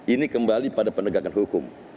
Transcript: ini kembali pada penegakan hukum